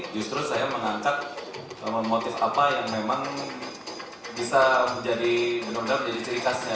justru saya mengangkat motif apa yang memang bisa menjadi benar benar menjadi ciri khasnya